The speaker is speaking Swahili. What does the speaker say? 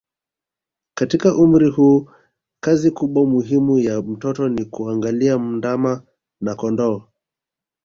Katika umri huu kazi kubwa muhimu ya mtoto ni kuangalia ndama na kondoo